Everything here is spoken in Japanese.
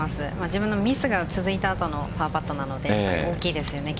自分のミスが続いた後のパーパットなので大きいですよね。